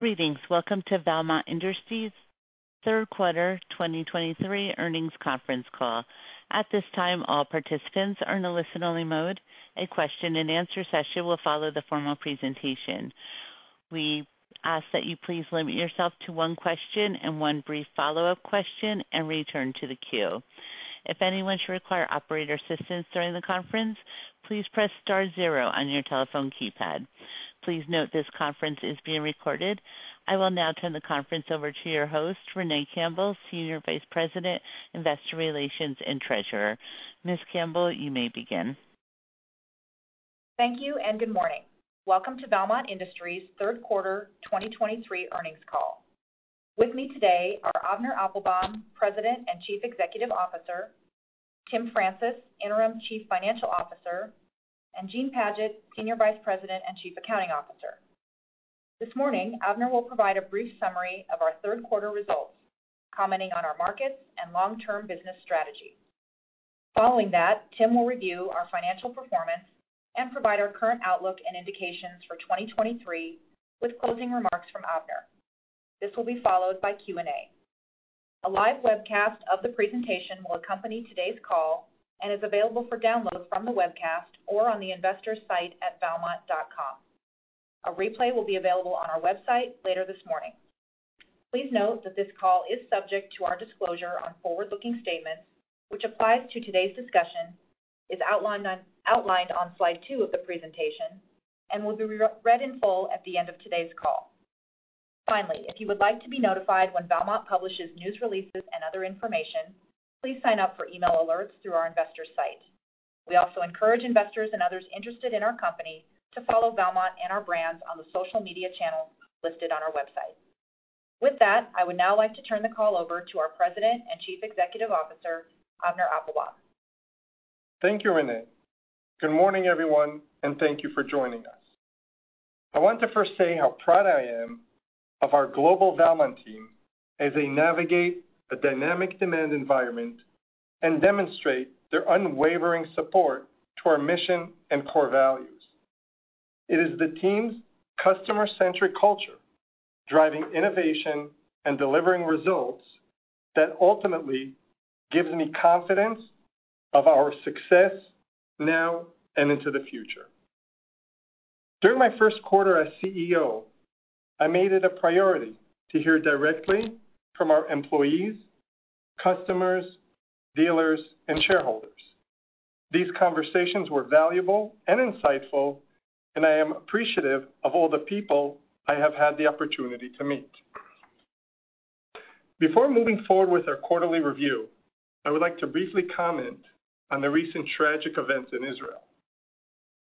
Greetings. Welcome to Valmont Industries Third Quarter 2023 Earnings Conference Call. At this time, all participants are in a listen-only mode. A question-and-answer session will follow the formal presentation. We ask that you please limit yourself to one question and one brief follow-up question, and return to the queue. If anyone should require operator assistance during the conference, please press star zero on your telephone keypad. Please note this conference is being recorded. I will now turn the conference over to your host, Renee Campbell, Senior Vice President, Investor Relations and Treasurer. Ms. Campbell, you may begin. Thank you, and good morning. Welcome to Valmont Industries Third Quarter 2023 Earnings Call. With me today are Avner Applbaum, President and Chief Executive Officer; Tim Francis, Interim Chief Financial Officer; and Gene Padgett, Senior Vice President and Chief Accounting Officer. This morning, Avner will provide a brief summary of our third quarter results, commenting on our markets and long-term business strategy. Following that, Tim will review our financial performance and provide our current outlook and indications for 2023, with closing remarks from Avner. This will be followed by Q&A. A live webcast of the presentation will accompany today's call and is available for download from the webcast or on the investors site at valmont.com. A replay will be available on our website later this morning. Please note that this call is subject to our disclosure on forward-looking statements, which applies to today's discussion, is outlined on slide two of the presentation, and will be re-read in full at the end of today's call. Finally, if you would like to be notified when Valmont publishes news releases and other information, please sign up for email alerts through our investors site. We also encourage investors and others interested in our company to follow Valmont and our brands on the social media channels listed on our website. With that, I would now like to turn the call over to our President and Chief Executive Officer, Avner Applbaum. Thank you, Renee. Good morning, everyone, and thank you for joining us. I want to first say how proud I am of our global Valmont team as they navigate a dynamic demand environment and demonstrate their unwavering support to our mission and core values. It is the team's customer-centric culture, driving innovation and delivering results, that ultimately gives me confidence of our success now and into the future. During my first quarter as CEO, I made it a priority to hear directly from our employees, customers, dealers, and shareholders. These conversations were valuable and insightful, and I am appreciative of all the people I have had the opportunity to meet. Before moving forward with our quarterly review, I would like to briefly comment on the recent tragic events in Israel.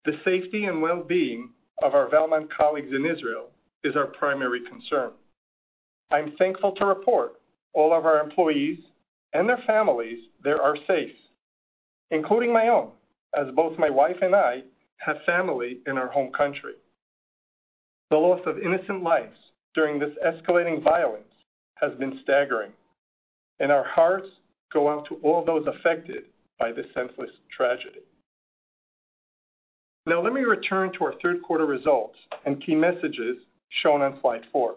The safety and well-being of our Valmont colleagues in Israel is our primary concern. I'm thankful to report all of our employees and their families they are safe, including my own, as both my wife and I have family in our home country. The loss of innocent lives during this escalating violence has been staggering, and our hearts go out to all those affected by this senseless tragedy. Now, let me return to our third quarter results and key messages shown on slide four.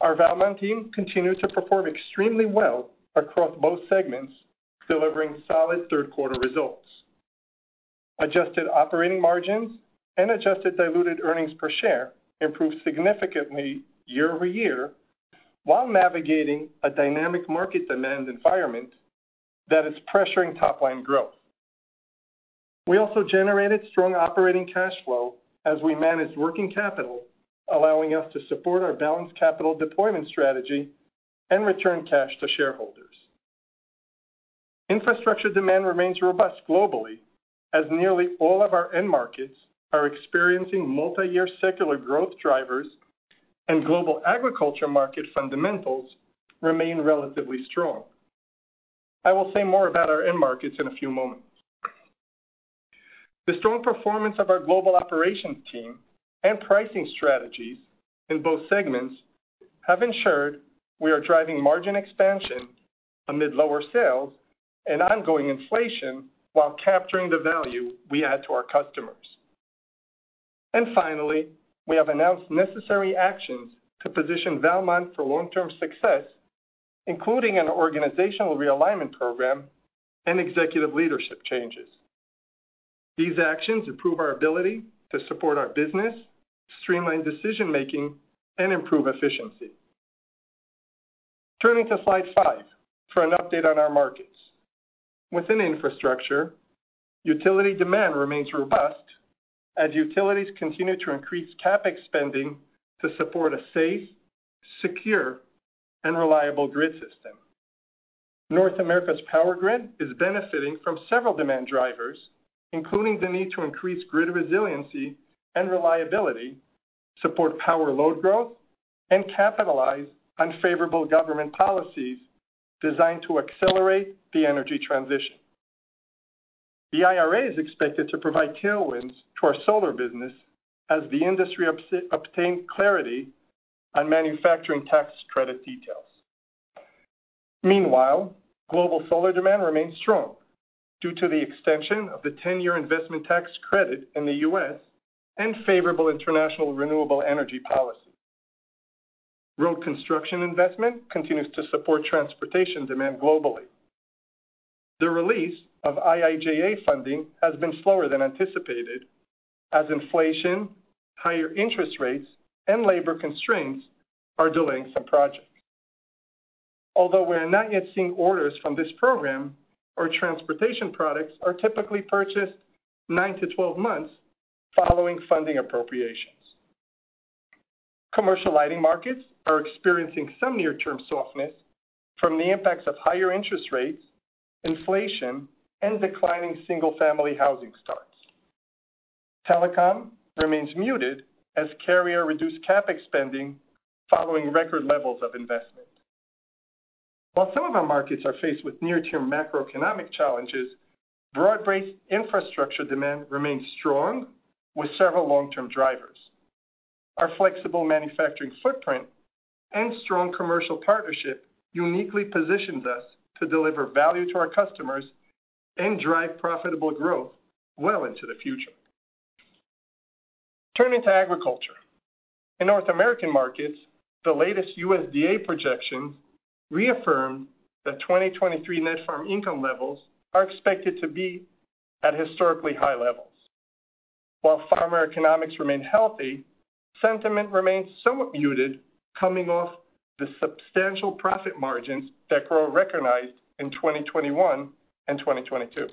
Our Valmont team continues to perform extremely well across both segments, delivering solid third-quarter results. Adjusted operating margins and adjusted diluted earnings per share improved significantly year-over-year, while navigating a dynamic market demand environment that is pressuring top-line growth. We also generated strong operating cash flow as we managed working capital, allowing us to support our balanced capital deployment strategy and return cash to shareholders. Infrastructure demand remains robust globally, as nearly all of our end markets are experiencing multiyear secular growth drivers, and global agriculture market fundamentals remain relatively strong. I will say more about our end markets in a few moments. The strong performance of our global operations team and pricing strategies in both segments have ensured we are driving margin expansion amid lower sales and ongoing inflation, while capturing the value we add to our customers. And finally, we have announced necessary actions to position Valmont for long-term success, including an organizational realignment program and executive leadership changes. These actions improve our ability to support our business, streamline decision-making, and improve efficiency. Turning to slide five for an update on our markets. Within infrastructure, utility demand remains robust as utilities continue to increase CapEx spending to support a safe, secure, and reliable grid system. North America's power grid is benefiting from several demand drivers, including the need to increase grid resiliency and reliability, support power load growth, and capitalize on favorable government policies designed to accelerate the energy transition. The IRA is expected to provide tailwinds to our solar business as the industry obtains clarity on manufacturing tax credit details. Meanwhile, global solar demand remains strong due to the extension of the ten-year investment tax credit in the U.S. and favorable international renewable energy policy. Road construction investment continues to support transportation demand globally. The release of IIJA funding has been slower than anticipated, as inflation, higher interest rates, and labor constraints are delaying some projects. Although we are not yet seeing orders from this program, our transportation products are typically purchased 9-12 months following funding appropriations. Commercial lighting markets are experiencing some near-term softness from the impacts of higher interest rates, inflation, and declining single-family housing starts. Telecom remains muted as carriers reduce CapEx spending following record levels of investment. While some of our markets are faced with near-term macroeconomic challenges, broad-based infrastructure demand remains strong with several long-term drivers. Our flexible manufacturing footprint and strong commercial partnership uniquely positions us to deliver value to our customers and drive profitable growth well into the future. Turning to agriculture. In North American markets, the latest USDA projections reaffirm that 2023 net farm income levels are expected to be at historically high levels. While farmer economics remain healthy, sentiment remains somewhat muted coming off the substantial profit margins that were recognized in 2021 and 2022.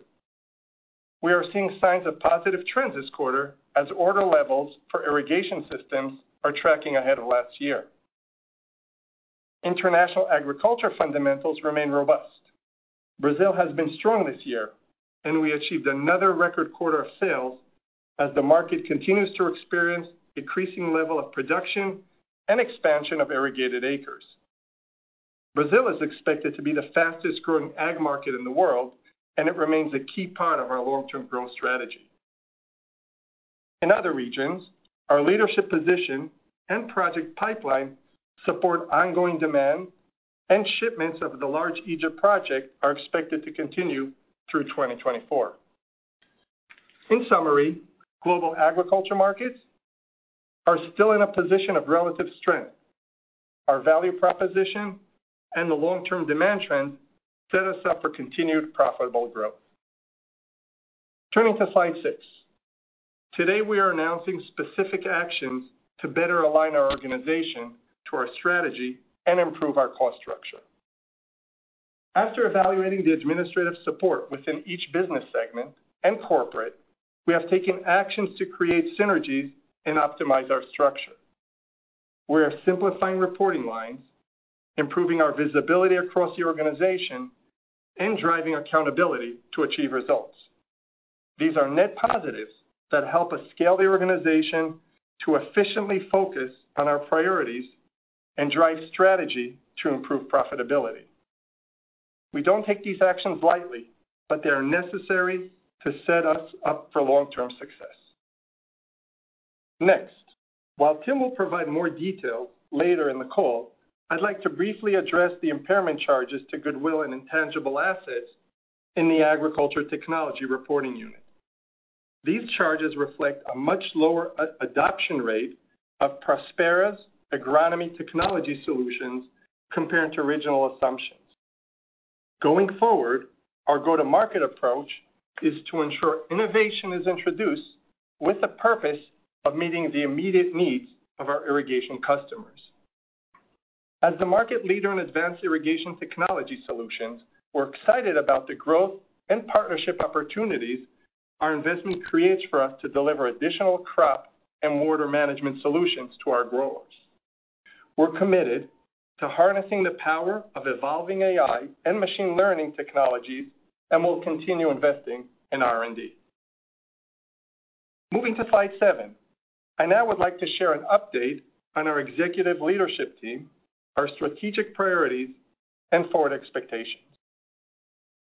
We are seeing signs of positive trends this quarter as order levels for irrigation systems are tracking ahead of last year. International agriculture fundamentals remain robust. Brazil has been strong this year, and we achieved another record quarter of sales as the market continues to experience increasing level of production and expansion of irrigated acres. Brazil is expected to be the fastest-growing ag market in the world, and it remains a key part of our long-term growth strategy. In other regions, our leadership position and project pipeline support ongoing demand, and shipments of the large Egypt project are expected to continue through 2024. In summary, global agriculture markets are still in a position of relative strength. Our value proposition and the long-term demand trend set us up for continued profitable growth. Turning to slide 6. Today, we are announcing specific actions to better align our organization to our strategy and improve our cost structure. After evaluating the administrative support within each business segment and corporate, we have taken actions to create synergies and optimize our structure. We are simplifying reporting lines, improving our visibility across the organization, and driving accountability to achieve results. These are net positives that help us scale the organization to efficiently focus on our priorities and drive strategy to improve profitability. We don't take these actions lightly, but they are necessary to set us up for long-term success. Next, while Tim will provide more detail later in the call, I'd like to briefly address the impairment charges to goodwill and intangible assets in the agriculture technology reporting unit. These charges reflect a much lower adoption rate of Prospera agronomy technology solutions compared to original assumptions. Going forward, our go-to-market approach is to ensure innovation is introduced with the purpose of meeting the immediate needs of our irrigation customers. As the market leader in advanced irrigation technology solutions, we're excited about the growth and partnership opportunities our investment creates for us to deliver additional crop and water management solutions to our growers. We're committed to harnessing the power of evolving AI and machine learning technologies, and we'll continue investing in R&D. Moving to slide 7. I now would like to share an update on our executive leadership team, our strategic priorities, and forward expectations.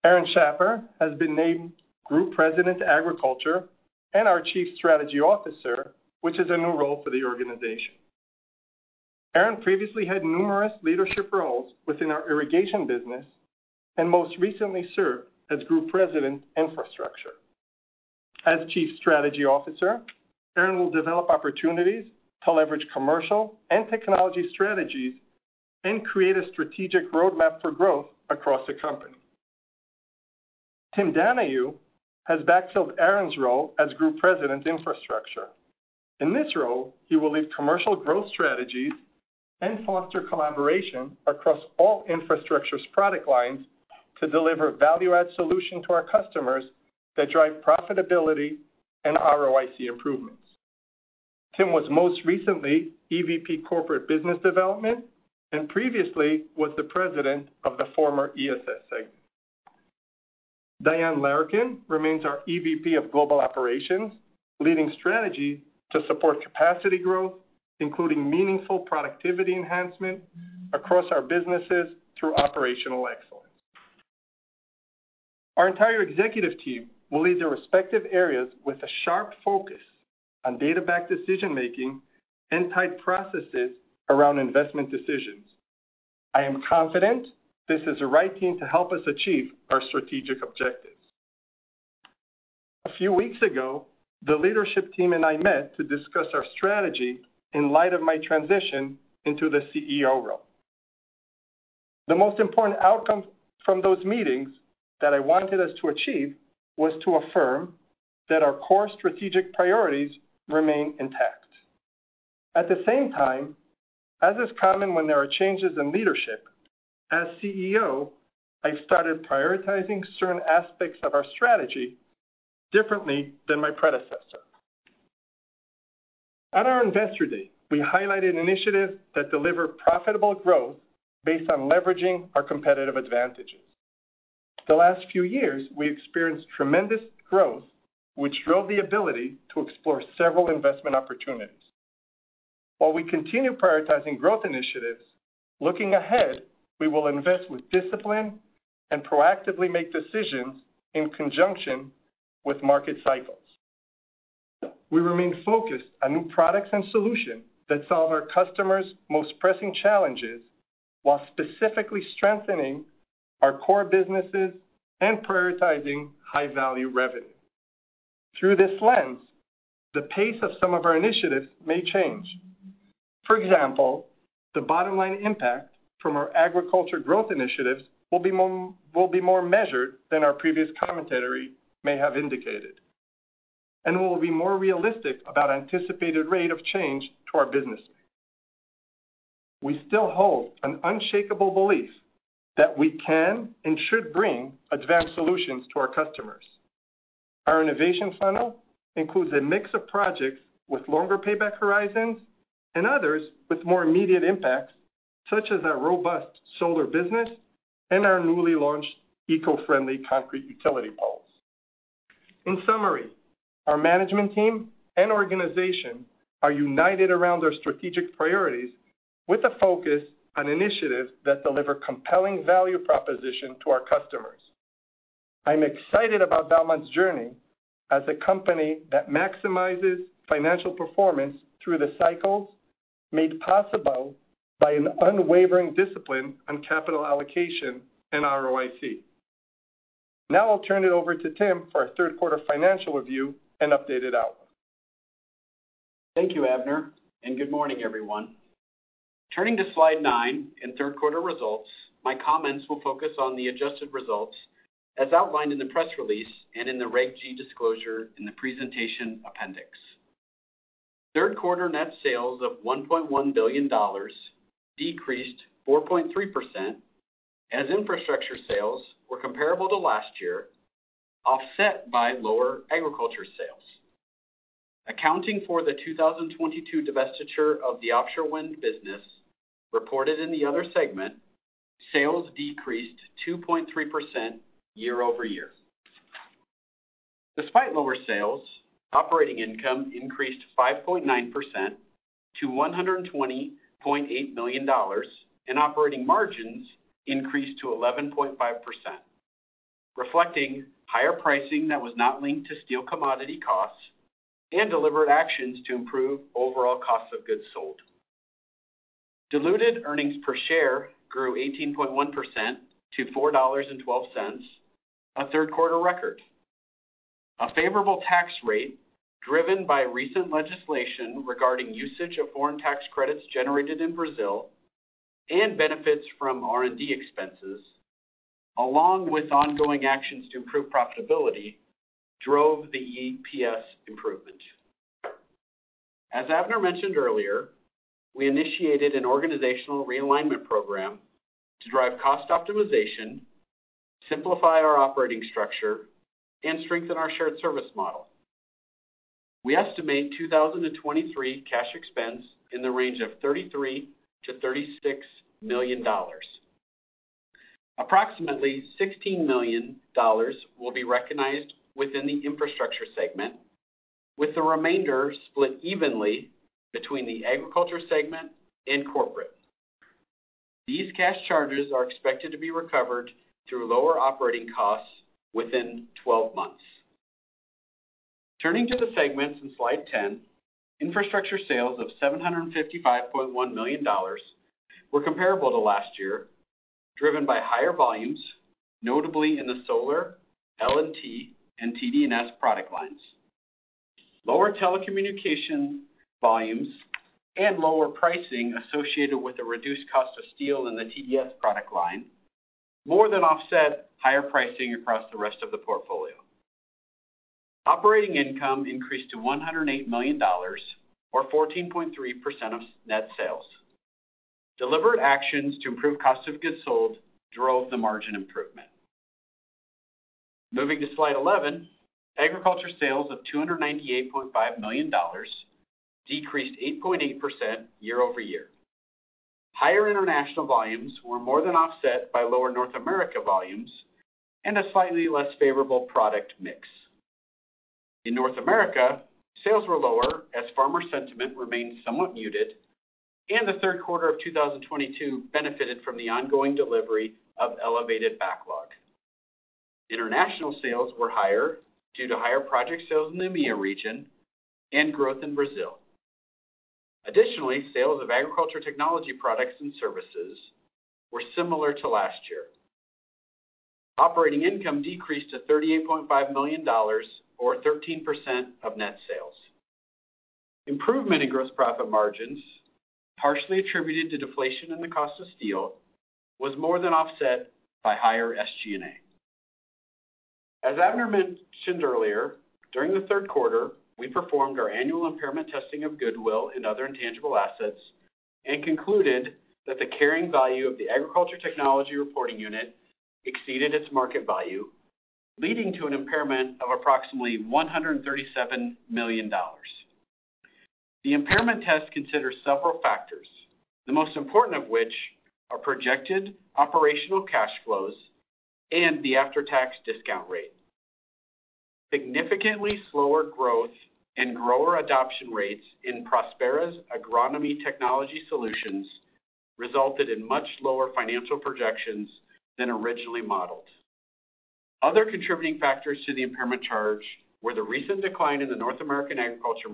Aaron Schapper has been named Group President, Agriculture, and our Chief Strategy Officer, which is a new role for the organization. Aaron previously had numerous leadership roles within our irrigation business and most recently served as Group President, Infrastructure. As Chief Strategy Officer, Aaron will develop opportunities to leverage commercial and technology strategies and create a strategic roadmap for growth across the company. Tim Donahue has backfilled Aaron's role as Group President, Infrastructure. In this role, he will lead commercial growth strategies and foster collaboration across all Infrastructure's product lines to deliver value-add solution to our customers that drive profitability and ROIC improvements. Tim was most recently EVP Corporate Business Development and previously was the president of the former ESS segment. Diane Larkin remains our EVP, Global Operations, leading strategy to support capacity growth, including meaningful productivity enhancement across our businesses through operational excellence. Our entire executive team will lead their respective areas with a sharp focus on data-backed decision-making and tight processes around investment decisions. I am confident this is the right team to help us achieve our strategic objectives. A few weeks ago, the leadership team and I met to discuss our strategy in light of my transition into the CEO role. The most important outcome from those meetings that I wanted us to achieve was to affirm that our core strategic priorities remain intact. At the same time, as is common when there are changes in leadership, as CEO, I've started prioritizing certain aspects of our strategy differently than my predecessor. At our Investor Day, we highlighted initiatives that deliver profitable growth based on leveraging our competitive advantages. The last few years, we experienced tremendous growth, which drove the ability to explore several investment opportunities. While we continue prioritizing growth initiatives, looking ahead, we will invest with discipline and proactively make decisions in conjunction with market cycles. We remain focused on new products and solutions that solve our customers' most pressing challenges, while specifically strengthening our core businesses and prioritizing high-value revenue. Through this lens, the pace of some of our initiatives may change. For example, the bottom line impact from our agriculture growth initiatives will be more measured than our previous commentary may have indicated, and we will be more realistic about anticipated rate of change to our business. We still hold an unshakable belief that we can and should bring advanced solutions to our customers. Our innovation funnel includes a mix of projects with longer payback horizons and others with more immediate impacts, such as our robust solar business and our newly launched eco-friendly concrete utility poles. In summary, our management team and organization are united around our strategic priorities with a focus on initiatives that deliver compelling value proposition to our customers. I'm excited about Valmont's journey as a company that maximizes financial performance through the cycles, made possible by an unwavering discipline on capital allocation and ROIC. Now I'll turn it over to Tim for our third-quarter financial review and updated outlook. Thank you, Avner, and good morning, everyone. Turning to Slide 9 in third quarter results, my comments will focus on the adjusted results as outlined in the press release and in the Reg G disclosure in the presentation appendix. Third quarter net sales of $1.1 billion decreased 4.3% as infrastructure sales were comparable to last year, offset by lower agriculture sales. Accounting for the 2022 divestiture of the offshore wind business reported in the other segment, sales decreased 2.3% year-over-year. Despite lower sales, operating income increased 5.9% to $120.8 million, and operating margins increased to 11.5%, reflecting higher pricing that was not linked to steel commodity costs and delivered actions to improve overall cost of goods sold. Diluted earnings per share grew 18.1% to $4.12, a third-quarter record. A favorable tax rate, driven by recent legislation regarding usage of foreign tax credits generated in Brazil and benefits from R&D expenses, along with ongoing actions to improve profitability, drove the EPS improvement. As Avner mentioned earlier, we initiated an organizational realignment program to drive cost optimization, simplify our operating structure, and strengthen our shared service model. We estimate 2023 cash expense in the range of $33 million-$36 million. Approximately $16 million will be recognized within the infrastructure segment, with the remainder split evenly between the agriculture segment and corporate. These cash charges are expected to be recovered through lower operating costs within 12 months. Turning to the segments in Slide 10, infrastructure sales of $755.1 million were comparable to last year, driven by higher volumes, notably in the solar, L&T, and TDS product lines. Lower telecommunication volumes and lower pricing associated with the reduced cost of steel in the TDS product line more than offset higher pricing across the rest of the portfolio. Operating income increased to $108 million, or 14.3% of net sales. Delivered actions to improve cost of goods sold drove the margin improvement. Moving to Slide 11, agriculture sales of $298.5 million decreased 8.8% year-over-year. Higher international volumes were more than offset by lower North America volumes and a slightly less favorable product mix. In North America, sales were lower as farmer sentiment remained somewhat muted, and the third quarter of 2022 benefited from the ongoing delivery of elevated backlog. International sales were higher due to higher project sales in the EMEA region and growth in Brazil. Additionally, sales of agriculture technology products and services were similar to last year. Operating income decreased to $38.5 million, or 13% of net sales. Improvement in gross profit margins, partially attributed to deflation in the cost of steel, was more than offset by higher SG&A. As Avner mentioned earlier, during the third quarter, we performed our annual impairment testing of goodwill and other intangible assets and concluded that the carrying value of the agriculture technology reporting unit exceeded its market value, leading to an impairment of approximately $137 million. The impairment test considers several factors, the most important of which are projected operational cash flows and the after-tax discount rate. Significantly slower growth and grower adoption rates in Prospera's agronomy technology solutions resulted in much lower financial projections than originally modeled. Other contributing factors to the impairment charge were the recent decline in the North American agriculture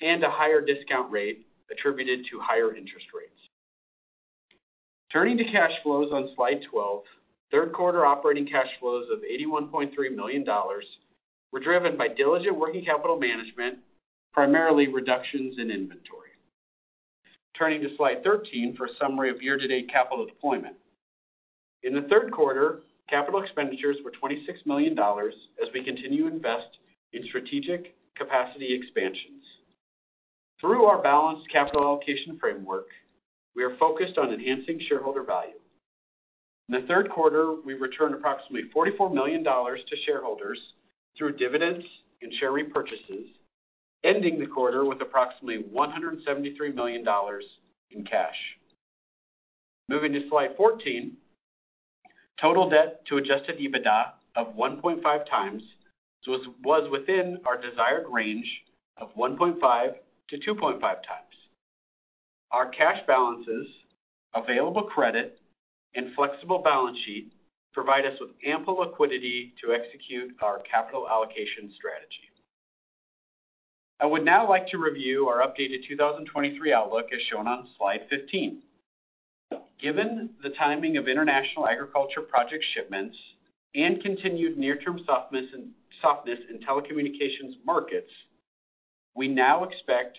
market and a higher discount rate attributed to higher interest rates. Turning to cash flows on slide 12, third quarter operating cash flows of $81.3 million were driven by diligent working capital management, primarily reductions in inventory. Turning to slide 13 for a summary of year-to-date capital deployment. In the third quarter, capital expenditures were $26 million as we continue to invest in strategic capacity expansions. Through our balanced capital allocation framework, we are focused on enhancing shareholder value. In the third quarter, we returned approximately $44 million to shareholders through dividends and share repurchases, ending the quarter with approximately $173 million in cash. Moving to slide 14, total debt to adjusted EBITDA of 1.5x was within our desired range of 1.5x-2.5x. Our cash balances, available credit, and flexible balance sheet provide us with ample liquidity to execute our capital allocation strategy. I would now like to review our updated 2023 outlook, as shown on slide 15. Given the timing of international agriculture project shipments and continued near-term softness in telecommunications markets, we now expect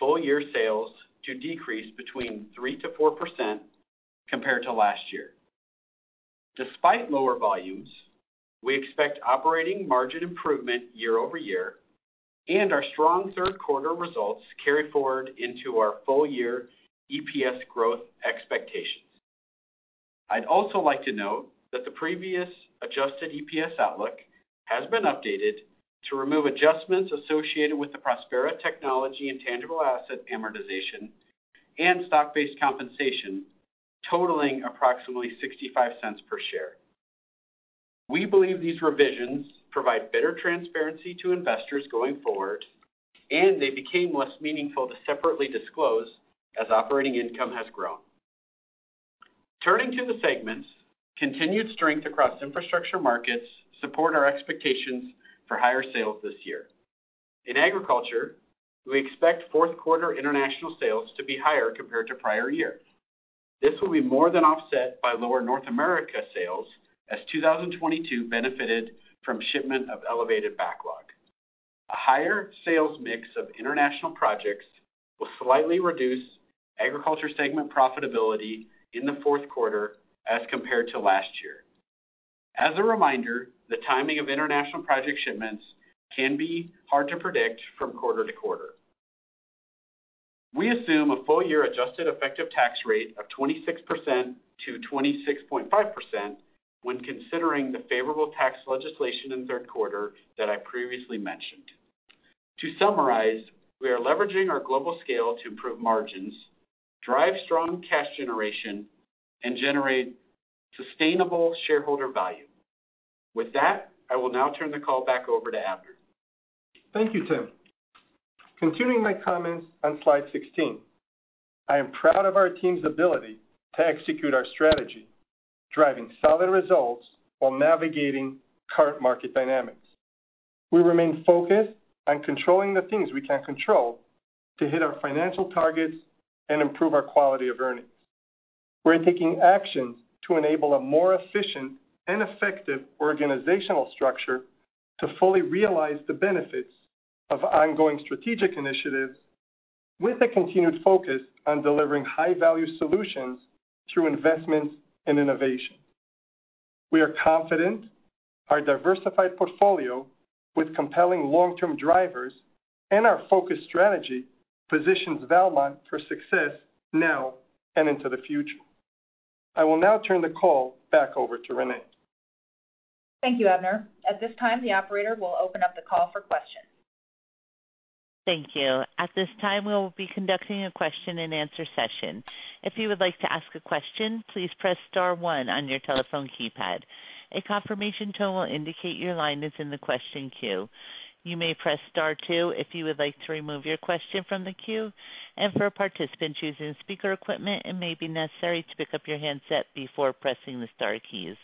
full-year sales to decrease between 3%-4% compared to last year. Despite lower volumes, we expect operating margin improvement year-over-year, and our strong third quarter results carry forward into our full-year EPS growth expectations. I'd also like to note that the previous adjusted EPS outlook has been updated to remove adjustments associated with the Prospera Technology intangible asset amortization and stock-based compensation, totaling approximately $0.65 per share. We believe these revisions provide better transparency to investors going forward, and they became less meaningful to separately disclose as operating income has grown. Turning to the segments, continued strength across infrastructure markets support our expectations for higher sales this year. In agriculture, we expect fourth quarter international sales to be higher compared to prior years. This will be more than offset by lower North America sales, as 2022 benefited from shipment of elevated backlog. A higher sales mix of international projects will slightly reduce agriculture segment profitability in the fourth quarter as compared to last year. As a reminder, the timing of international project shipments can be hard to predict from quarter to quarter. We assume a full-year adjusted effective tax rate of 26%-26.5% when considering the favorable tax legislation in the third quarter that I previously mentioned. To summarize, we are leveraging our global scale to improve margins, drive strong cash generation, and generate sustainable shareholder value. With that, I will now turn the call back over to Avner. Thank you, Tim. Continuing my comments on slide 16, I am proud of our team's ability to execute our strategy, driving solid results while navigating current market dynamics. We remain focused on controlling the things we can control to hit our financial targets and improve our quality of earnings. We're taking action to enable a more efficient and effective organizational structure to fully realize the benefits of ongoing strategic initiatives, with a continued focus on delivering high-value solutions through investments and innovation. We are confident our diversified portfolio with compelling long-term drivers and our focused strategy positions Valmont for success now and into the future. I will now turn the call back over to Renee. Thank you, Avner. At this time, the operator will open up the call for questions. Thank you. At this time, we will be conducting a question-and-answer session. If you would like to ask a question, please press star one on your telephone keypad. A confirmation tone will indicate your line is in the question queue. You may press star two if you would like to remove your question from the queue. And for participants using speaker equipment, it may be necessary to pick up your handset before pressing the star keys.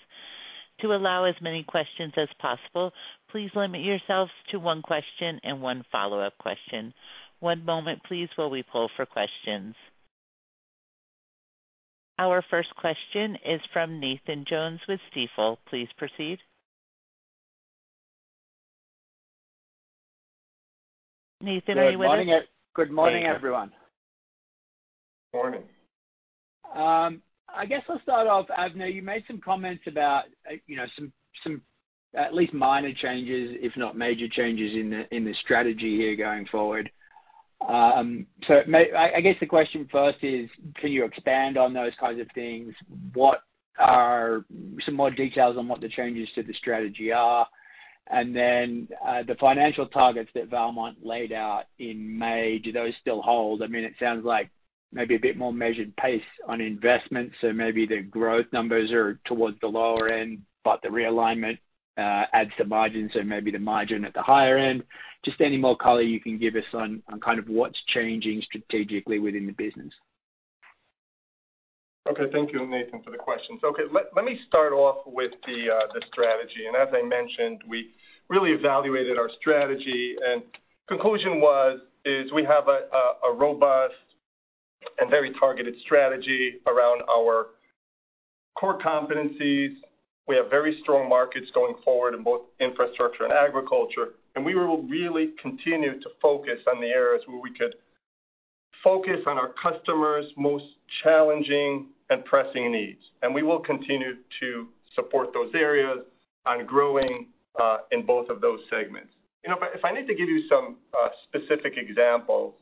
To allow as many questions as possible, please limit yourselves to one question and one follow-up question. One moment, please, while we poll for questions. Our first question is from Nathan Jones with Stifel. Please proceed. Nathan, are you with us? Good morning. Good morning, everyone. Morning. I guess I'll start off, Avner, you made some comments about, you know, some, some at least minor changes, if not major changes, in the, in the strategy here going forward. So I guess the question first is, can you expand on those kinds of things? What are some more details on what the changes to the strategy are? And then, the financial targets that Valmont laid out in May, do those still hold? I mean, it sounds like maybe a bit more measured pace on investment, so maybe the growth numbers are towards the lower end, but the realignment adds to margin, so maybe the margin at the higher end. Just any more color you can give us on, on kind of what's changing strategically within the business. Okay, thank you, Nathan, for the questions. Okay, let me start off with the strategy. As I mentioned, we really evaluated our strategy, and conclusion was, is we have a robust and very targeted strategy around our core competencies. We have very strong markets going forward in both infrastructure and agriculture, and we will really continue to focus on the areas where we could focus on our customers' most challenging and pressing needs. We will continue to support those areas on growing in both of those segments. You know, if I need to give you some specific examples,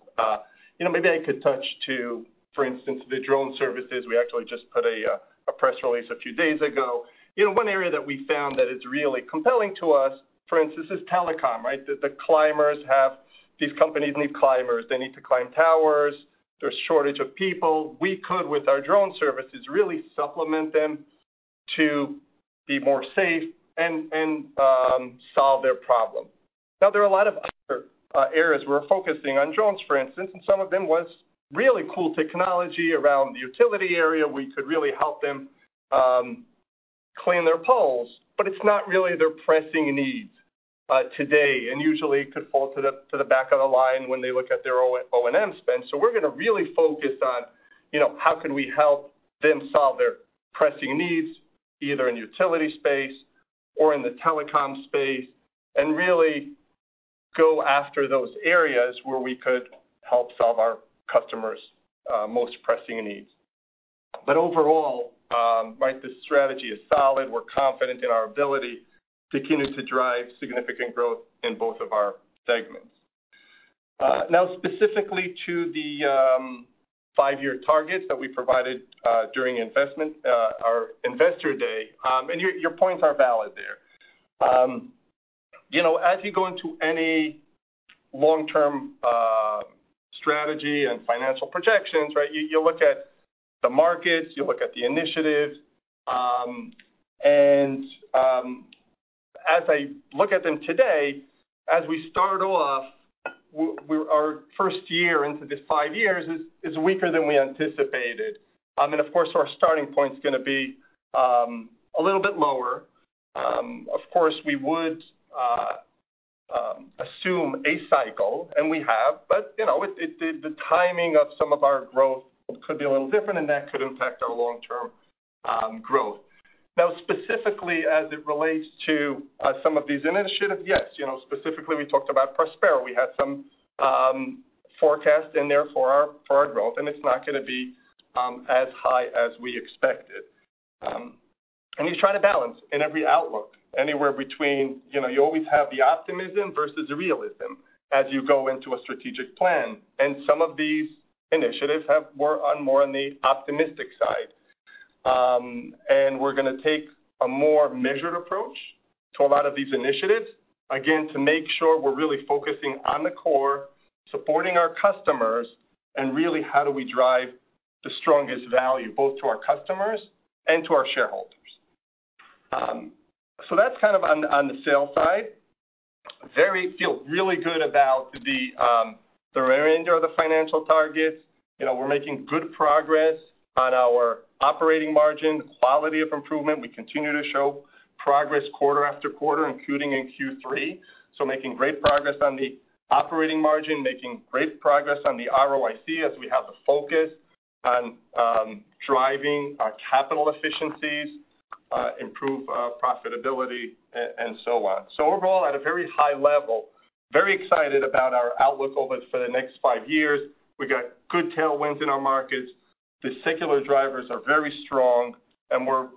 you know, maybe I could touch to, for instance, the drone services. We actually just put a press release a few days ago. You know, one area that we found that is really compelling to us, for instance, is telecom, right? The climbers have, these companies need climbers. They need to climb towers. There's shortage of people. We could, with our drone services, really supplement them to be more safe and solve their problem. Now, there are a lot of other areas we're focusing on drones, for instance, and some of them was really cool technology around the utility area. We could really help them clean their poles, but it's not really their pressing needs today, and usually could fall to the back of the line when they look at their O&M spend. We're gonna really focus on, you know, how can we help them solve their pressing needs, either in the utility space or in the telecom space, and really go after those areas where we could help solve our customers', you know, most pressing needs. Overall, right, the strategy is solid. We're confident in our ability to continue to drive significant growth in both of our segments. Now, specifically to the five-year targets that we provided during investment, our Investor Day, and your points are valid there. You know, as you go into any long-term strategy and financial projections, right, you look at the markets, you look at the initiatives. As I look at them today, as we start off, we-- our first year into this five years is weaker than we anticipated. And of course, our starting point's gonna be a little bit lower. Of course, we would assume a cycle, and we have, but you know, the timing of some of our growth could be a little different, and that could impact our long-term growth. Now, specifically, as it relates to some of these initiatives, yes, you know, specifically, we talked about Prospera. We had some forecast in there for our growth, and it's not gonna be as high as we expected. And you try to balance in every outlook, anywhere between, you know, you always have the optimism versus the realism as you go into a strategic plan, and some of these initiatives have more on the optimistic side. And we're gonna take a more measured approach to a lot of these initiatives, again, to make sure we're really focusing on the core, supporting our customers, and really, how do we drive the strongest value, both to our customers and to our shareholders? So that's kind of on, on the sales side. Feel really good about the, the range of the financial targets. You know, we're making good progress on our operating margin, quality of improvement. We continue to show progress quarter after quarter, including in Q3. So making great progress on the operating margin, making great progress on the ROIC, as we have the focus on, driving our capital efficiencies, improve our profitability, and so on. So overall, at a very high level, very excited about our outlook over for the next five years. We got good tailwinds in our markets. The secular drivers are very strong, and we're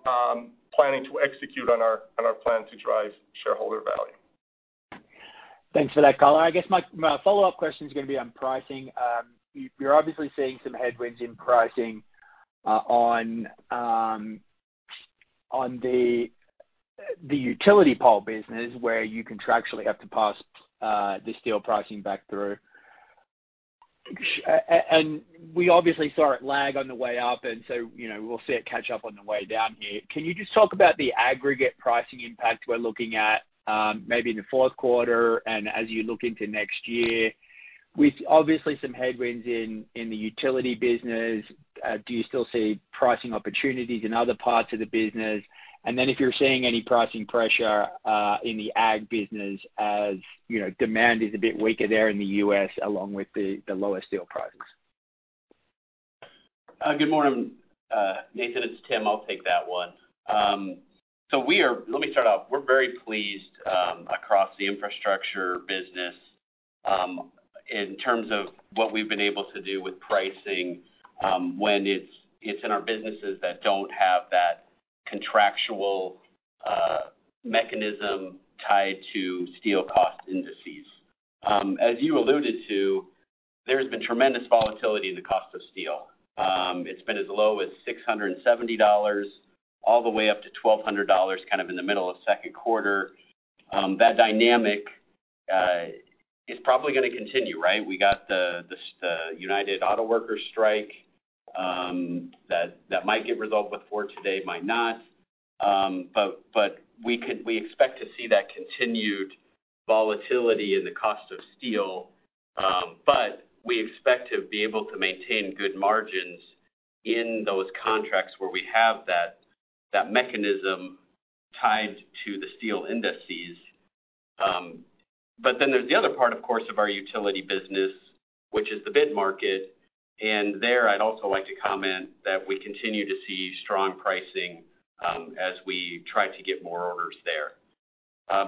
planning to execute on our plan to drive shareholder value. Thanks for that color. I guess my follow-up question is gonna be on pricing. You're obviously seeing some headwinds in pricing on the utility pole business, where you contractually have to pass the steel pricing back through. And we obviously saw it lag on the way up, and so, you know, we'll see it catch up on the way down here. Can you just talk about the aggregate pricing impact we're looking at, maybe in the fourth quarter and as you look into next year? With obviously some headwinds in the utility business, do you still see pricing opportunities in other parts of the business? And then if you're seeing any pricing pressure in the ag business, as you know, demand is a bit weaker there in the U.S., along with the lower steel prices. Good morning, Nathan, it's Tim. I'll take that one. Let me start off: We're very pleased across the infrastructure business in terms of what we've been able to do with pricing when it's, it's in our businesses that don't have that contractual mechanism tied to steel cost indices. As you alluded to, there's been tremendous volatility in the cost of steel. It's been as low as $670, all the way up to $1,200, kind of in the middle of second quarter. That dynamic is probably gonna continue, right? We got the United Auto Workers strike that might get resolved before today, might not. We expect to see that continued volatility in the cost of steel, but we expect to be able to maintain good margins in those contracts where we have that mechanism tied to the steel indices. Then there's the other part, of course, of our utility business, which is the bid market. There, I'd also like to comment that we continue to see strong pricing as we try to get more orders there.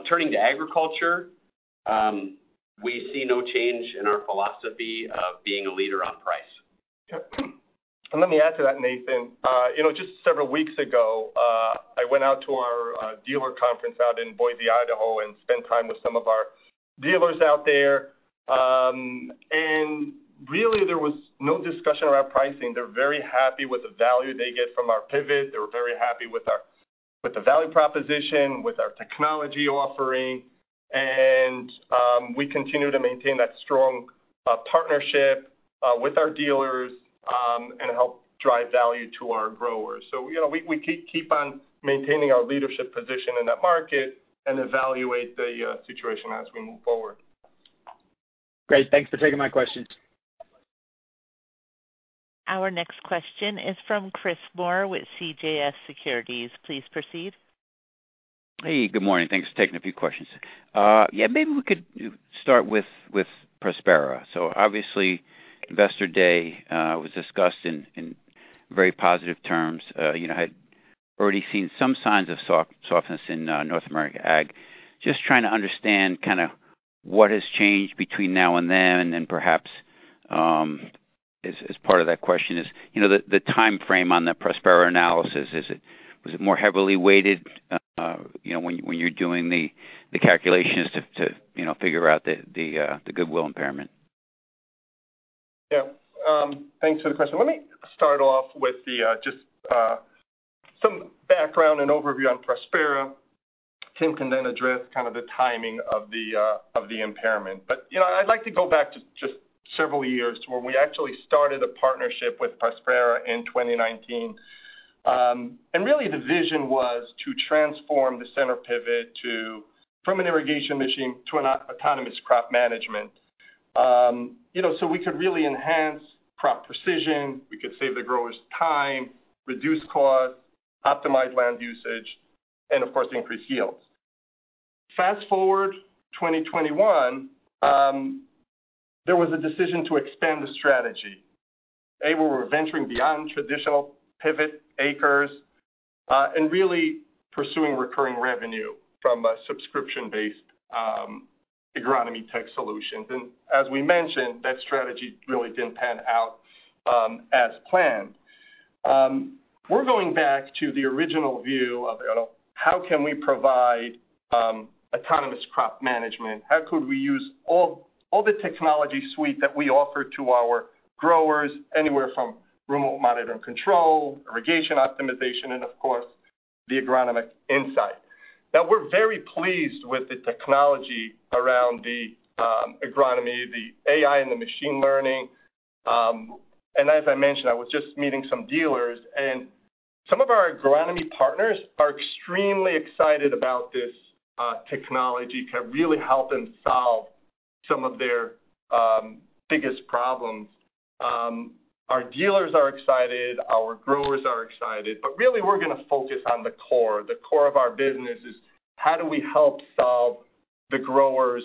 Turning to agriculture, we see no change in our philosophy of being a leader on price. Yeah, and let me add to that, Nathan. You know, just several weeks ago, I went out to our dealer conference out in Boise, Idaho, and spent time with some of our dealers out there. And really, there was no discussion around pricing. They're very happy with the value they get from our pivot. They were very happy with our--with the value proposition, with our technology offering, and we continue to maintain that strong partnership with our dealers and help drive value to our growers. So, you know, we keep on maintaining our leadership position in that market and evaluate the situation as we move forward. Great. Thanks for taking my questions. Our next question is from Chris Moore with CJS Securities. Please proceed. Hey, good morning. Thanks for taking a few questions. Yeah, maybe we could start with Prospera. So obviously, Investor Day was discussed in very positive terms. You know, I had already seen some signs of softness in North America ag. Just trying to understand kind of what has changed between now and then, and then perhaps, as part of that question is, you know, the time frame on the Prospera analysis. Was it more heavily weighted, you know, when you're doing the calculations to figure out the goodwill impairment? Yeah. Thanks for the question. Let me start off with just some background and overview on Prospera. Tim can then address kind of the impairment. But, you know, I'd like to go back to just several years, when we actually started a partnership with Prospera in 2019. And really, the vision was to transform the center pivot to from an irrigation machine to an autonomous crop management. You know, so we could really enhance crop precision, we could save the growers time, reduce costs, optimize land usage, and of course, increase yields. Fast-forward 2021, there was a decision to expand the strategy. They were venturing beyond traditional pivot acres, and really pursuing recurring revenue from a subscription-based agronomy tech solutions. And as we mentioned, that strategy really didn't pan out as planned. We're going back to the original view of, you know, how can we provide autonomous crop management? How could we use all the technology suite that we offer to our growers, anywhere from remote monitor and control, irrigation optimization, and of course, the agronomic insight. Now, we're very pleased with the technology around the agronomy, the AI and the machine learning. And as I mentioned, I was just meeting some dealers, and some of our agronomy partners are extremely excited about this technology to really help them solve some of their biggest problems. Our dealers are excited, our growers are excited, but really we're gonna focus on the core. The core of our business is: how do we help solve the growers'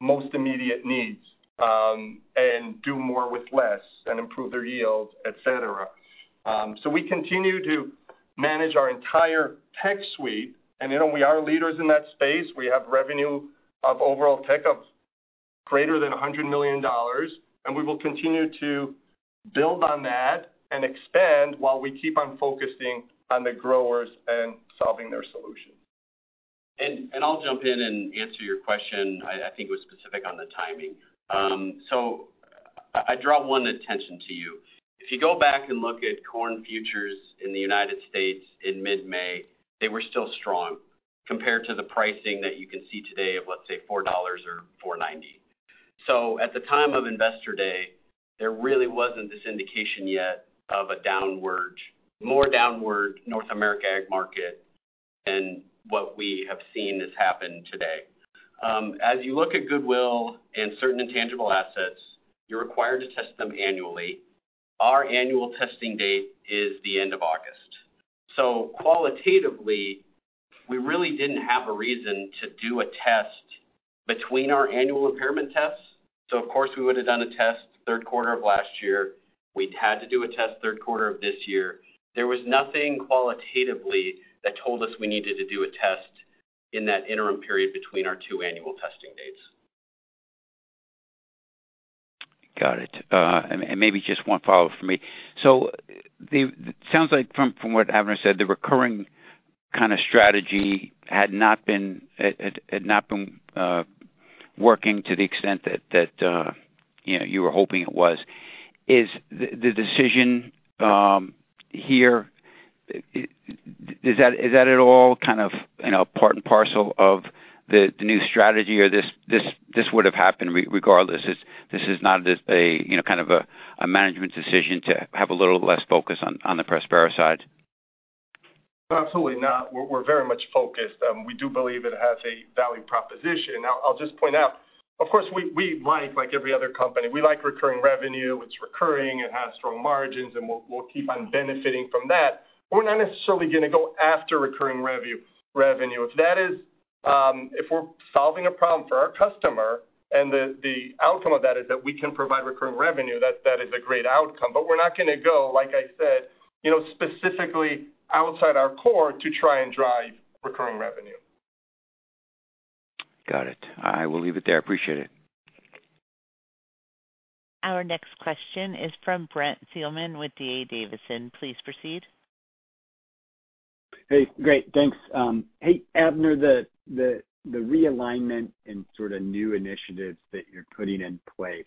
most immediate needs, and do more with less and improve their yields, etc.? So we continue to manage our entire tech suite, and, you know, we are leaders in that space. We have revenue of overall tech of greater than $100 million, and we will continue to build on that and expand while we keep on focusing on the growers and solving their solutions. And I'll jump in and answer your question. I think it was specific on the timing. So I draw your attention to you. If you go back and look at corn futures in the United States in mid-May, they were still strong compared to the pricing that you can see today of, let's say, $4 or $4.90. So at the time of Investor Day, there really wasn't this indication yet of a downward, more downward North America ag market than what we have seen has happened today. As you look at goodwill and certain intangible assets, you're required to test them annually. Our annual testing date is the end of August. So qualitatively, we really didn't have a reason to do a test between our annual impairment tests. So of course, we would have done a test third quarter of last year. We had to do a test third quarter of this year. There was nothing qualitatively that told us we needed to do a test in that interim period between our two annual testing dates. Got it. And maybe just one follow-up for me. So, sounds like from what Avner said, the recurring kind of strategy had not been working to the extent that, you know, you were hoping it was. Is the decision here, is that at all kind of, you know, part and parcel of the new strategy, or this would have happened regardless? This is not just a, you know, kind of a management decision to have a little less focus on the Prospera side? Absolutely not. We're very much focused, and we do believe it has a value proposition. Now, I'll just point out, of course, we like, like every other company, we like recurring revenue. It's recurring, it has strong margins, and we'll keep on benefiting from that. We're not necessarily gonna go after recurring revenue. If that is, if we're solving a problem for our customer and the outcome of that is that we can provide recurring revenue, that is a great outcome. But we're not gonna go, like I said, you know, specifically outside our core to try and drive recurring revenue. Got it. I will leave it there. Appreciate it. Our next question is from Brent Thielman with D.A. Davidson. Please proceed. Hey, great, thanks. Hey, Avner, the realignment and sort of new initiatives that you're putting in place,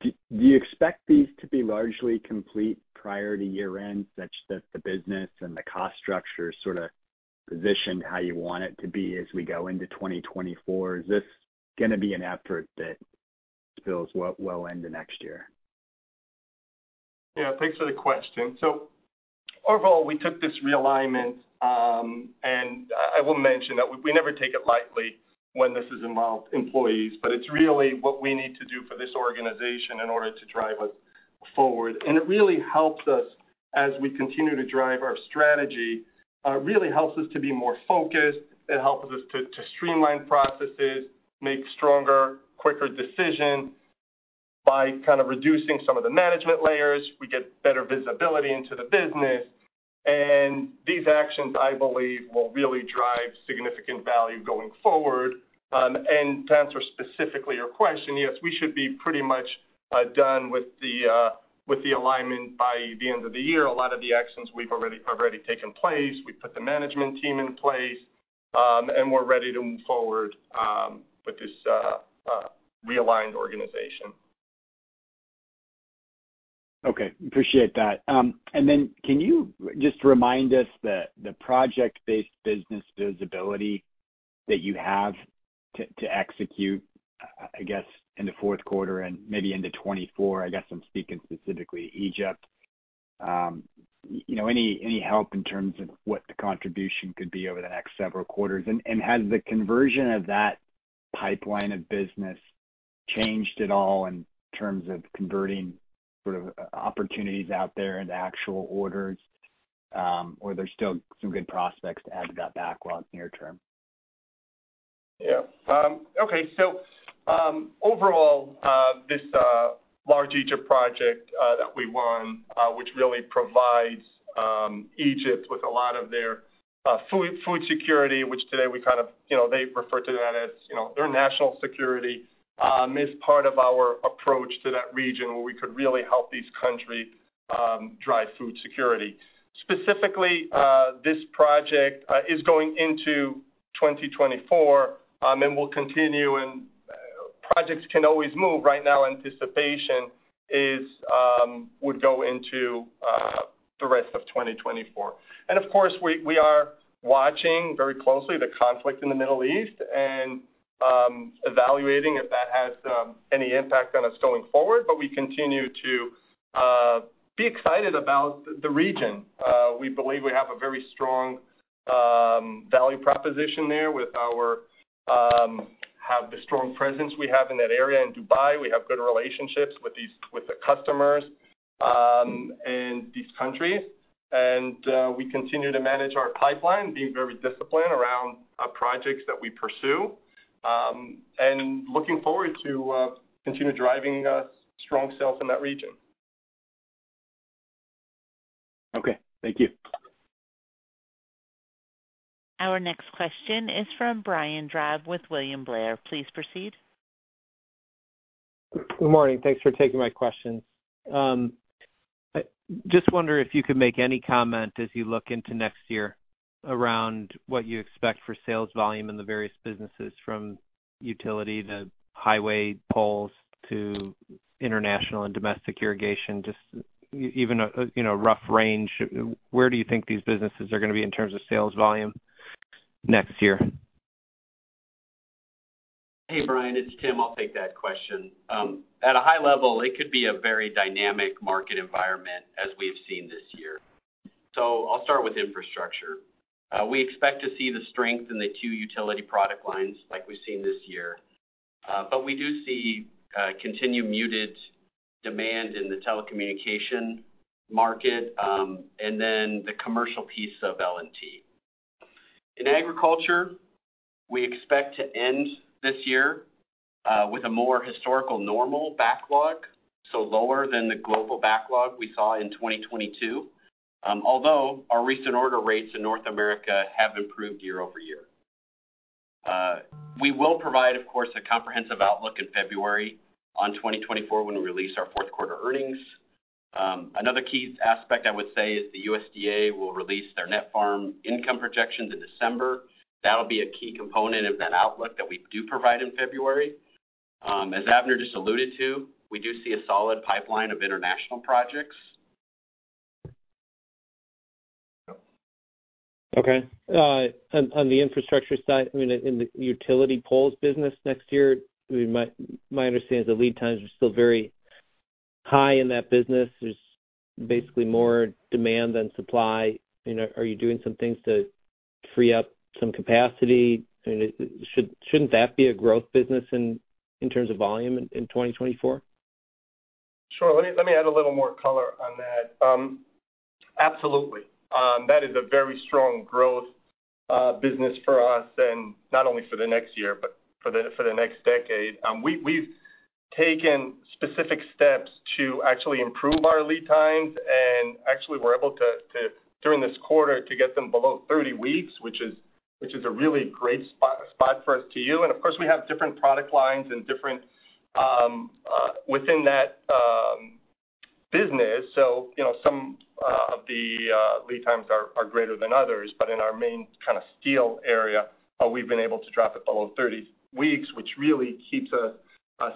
do you expect these to be largely complete prior to year-end, such that the business and the cost structure sort of positioned how you want it to be as we go into 2024? Is this gonna be an effort that spills well into next year? Yeah, thanks for the question. So overall, we took this realignment, and I will mention that we never take it lightly when this has involved employees, but it's really what we need to do for this organization in order to drive us forward. And it really helps us as we continue to drive our strategy. It really helps us to be more focused. It helps us to streamline processes, make stronger, quicker decisions. By kind of reducing some of the management layers, we get better visibility into the business. And these actions, I believe, will really drive significant value going forward. And to answer specifically your question, yes, we should be pretty much done with the alignment by the end of the year. A lot of the actions have already taken place. We've put the management team in place, and we're ready to move forward with this realigned organization. Okay, appreciate that. And then can you just remind us the project-based business visibility that you have to execute, I guess, in the fourth quarter and maybe into 2024? I guess I'm speaking specifically Egypt. You know, any help in terms of what the contribution could be over the next several quarters? And has the conversion of that pipeline of business changed at all in terms of converting sort of opportunities out there into actual orders, or there's still some good prospects to add to that backlog near term? Yeah. Okay. So, overall, this large Egypt project that we won, which really provides Egypt with a lot of their food security, which today we kind of... You know, they refer to that as, you know, their national security is part of our approach to that region, where we could really help these countries drive food security. Specifically, this project is going into 2024 and will continue, and projects can always move. Right now, anticipation is would go into the rest of 2024. And of course, we are watching very closely the conflict in the Middle East and evaluating if that has any impact on us going forward. But we continue to be excited about the region. We believe we have a very strong value proposition there with our have the strong presence we have in that area. In Dubai, we have good relationships with these, with the customers, and these countries. We continue to manage our pipeline, being very disciplined around projects that we pursue, and looking forward to continue driving strong sales in that region. Okay, thank you. Our next question is from Brian Drab with William Blair. Please proceed. Good morning. Thanks for taking my question. I just wonder if you could make any comment as you look into next year around what you expect for sales volume in the various businesses, from utility to highway poles to international and domestic irrigation. Just even a, you know, rough range, where do you think these businesses are gonna be in terms of sales volume next year? Hey, Brian, it's Tim. I'll take that question. At a high level, it could be a very dynamic market environment as we've seen this year. So I'll start with infrastructure. We expect to see the strength in the two utility product lines like we've seen this year. But we do see continued muted demand in the telecommunications market, and then the commercial piece of L&T. In agriculture, we expect to end this year with a more historical normal backlog, so lower than the global backlog we saw in 2022. Although our recent order rates in North America have improved year-over-year. We will provide, of course, a comprehensive outlook in February on 2024 when we release our fourth quarter earnings. Another key aspect I would say is the USDA will release their net farm income projections in December. That'll be a key component of that outlook that we do provide in February. As Avner just alluded to, we do see a solid pipeline of international projects. Okay. On the infrastructure side, I mean, in the utility poles business next year, my understanding is the lead times are still very high in that business. There's basically more demand than supply. You know, are you doing some things to free up some capacity? I mean, shouldn't that be a growth business in terms of volume in 2024? Sure. Let me add a little more color on that. Absolutely, that is a very strong growth business for us, and not only for the next year, but for the next decade. We've taken specific steps to actually improve our lead times, and actually, we're able to, during this quarter, to get them below 30 weeks, which is a really great spot for us to you. And of course, we have different product lines and different within that business. So, you know, some of the lead times are greater than others, but in our main kind of steel area, we've been able to drop it below 30 weeks, which really keeps us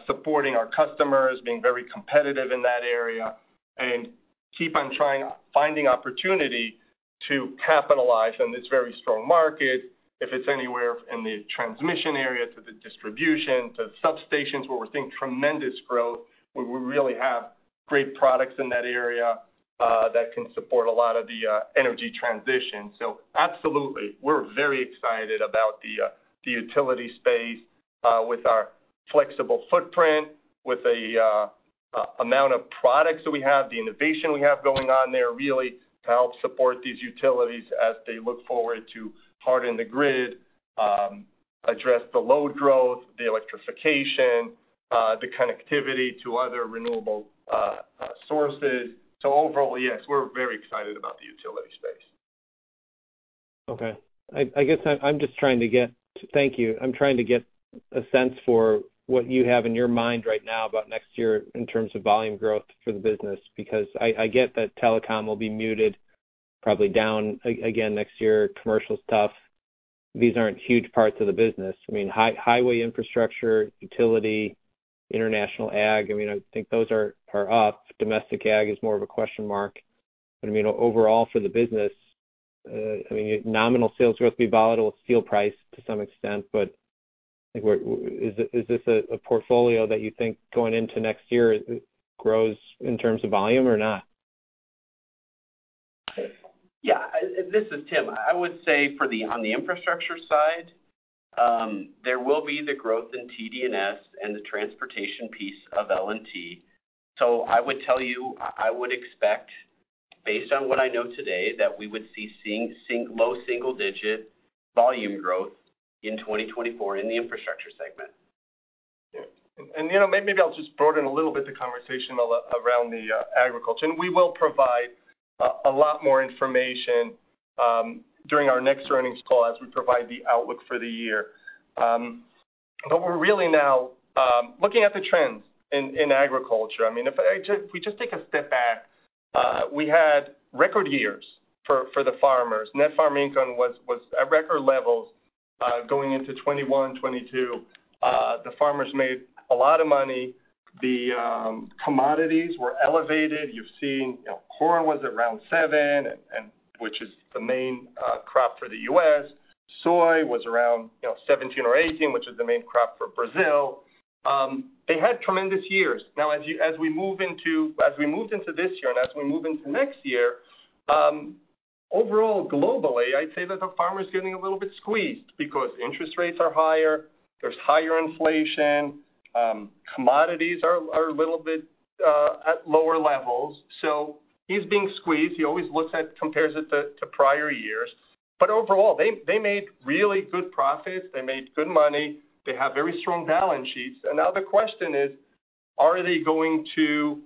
supporting our customers, being very competitive in that area, and keep on trying, finding opportunity to capitalize on this very strong market. If it's anywhere in the transmission area to the distribution, to substations, where we're seeing tremendous growth, where we really have great products in that area, that can support a lot of the energy transition. So absolutely, we're very excited about the utility space with our flexible footprint, with a amount of products that we have, the innovation we have going on there, really to help support these utilities as they look forward to harden the grid, address the load growth, the electrification, the connectivity to other renewable sources. So overall, yes, we're very excited about the utility space. Okay. I guess I'm just trying to get. Thank you. I'm trying to get a sense for what you have in your mind right now about next year in terms of volume growth for the business, because I get that telecom will be muted, probably down again next year. Commercial's tough. These aren't huge parts of the business. I mean, highway infrastructure, utility, international ag, I mean, I think those are up. Domestic ag is more of a question mark. But, I mean, overall for the business, I mean, nominal sales growth will be volatile with steel price to some extent, but, like, where is this a portfolio that you think going into next year, grows in terms of volume or not? Yeah, this is Tim. I would say for the, on the infrastructure side, there will be the growth in TDS and the transportation piece of L&T. So I would tell you, I would expect, based on what I know today, that we would see low single-digit volume growth in 2024 in the infrastructure segment. Yeah. You know, maybe I'll just broaden a little bit the conversation around the agriculture. We will provide a lot more information during our next earnings call as we provide the outlook for the year. But we're really now looking at the trends in agriculture. I mean, if we just take a step back, we had record years for the farmers. Net farm income was at record levels going into 2021, 2022. The farmers made a lot of money. The commodities were elevated. You've seen, you know, corn was around $7, which is the main crop for the U.S. Soy was around, you know, $17 or $18, which is the main crop for Brazil. They had tremendous years. Now, as we moved into this year and as we move into next year, overall, globally, I'd say that the farmer is getting a little bit squeezed because interest rates are higher, there's higher inflation, commodities are a little bit at lower levels. So he's being squeezed. He always looks at, compares it to prior years. But overall, they made really good profits. They made good money. They have very strong balance sheets. And now the question is: Are they going to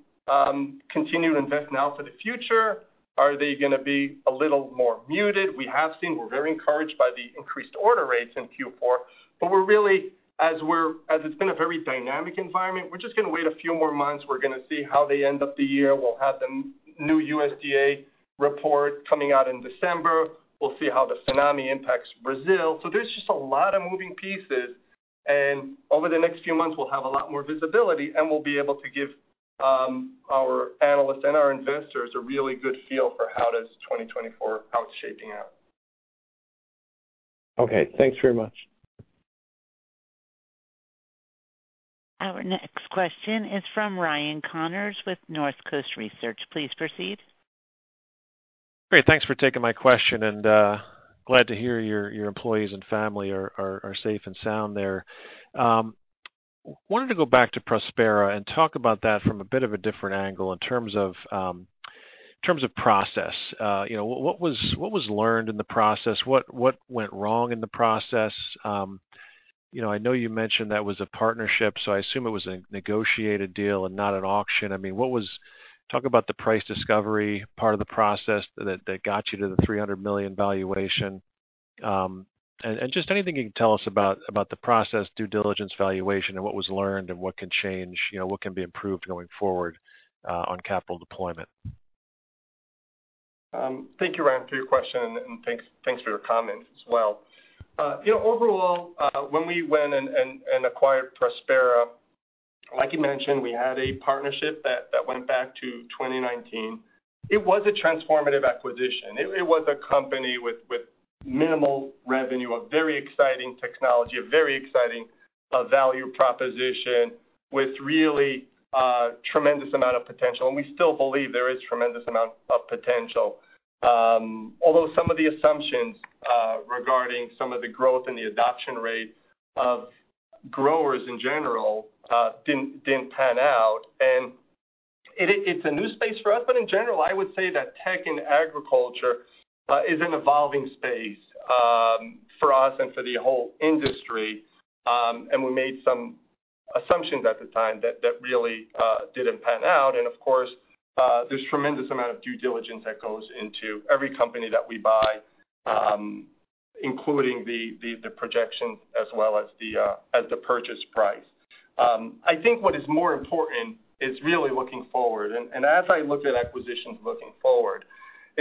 continue to invest now for the future? Are they gonna be a little more muted? We have seen, we're very encouraged by the increased order rates in Q4. But we're really, as it's been a very dynamic environment, we're just gonna wait a few more months. We're gonna see how they end up the year. We'll have the new USDA report coming out in December. We'll see how the FINAME impacts Brazil. So there's just a lot of moving pieces, and over the next few months, we'll have a lot more visibility, and we'll be able to give our analysts and our investors a really good feel for how does 2024, how it's shaping out. Okay, thanks very much. Our next question is from Ryan Connors with Northcoast Research. Please proceed. Great. Thanks for taking my question, and glad to hear your employees and family are safe and sound there. Wanted to go back to Prospera and talk about that from a bit of a different angle in terms of process. You know, what was learned in the process? What went wrong in the process? You know, I know you mentioned that was a partnership, so I assume it was a negotiated deal and not an auction. I mean, what was... Talk about the price discovery, part of the process that got you to the $300 million valuation. And just anything you can tell us about the process, due diligence, valuation, and what was learned and what can change, you know, what can be improved going forward on capital deployment. Thank you, Ryan, for your question, and thanks, thanks for your comments as well. You know, overall, when we went and acquired Prospera, like you mentioned, we had a partnership that went back to 2019. It was a transformative acquisition. It was a company with minimal revenue, a very exciting technology, a very exciting value proposition, with really a tremendous amount of potential, and we still believe there is tremendous amount of potential. Although some of the assumptions regarding some of the growth and the adoption rate of growers in general didn't pan out, and it is - it's a new space for us. But in general, I would say that tech and agriculture is an evolving space for us and for the whole industry. And we made some assumptions at the time that really didn't pan out. And of course, there's a tremendous amount of due diligence that goes into every company that we buy, including the projections as well as the purchase price. I think what is more important is really looking forward. And as I look at acquisitions looking forward,